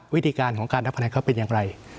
วิธีการของการนับคะแนนเขาเป็นอย่างไร